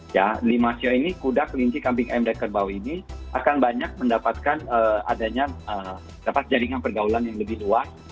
ya lima sio ini kuda kelinci kambing emdek kerbau ini akan banyak mendapatkan adanya dapat jaringan pergaulan yang lebih luas